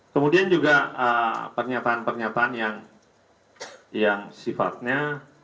kemudian juga pernyataan pernyataan yang sifatnya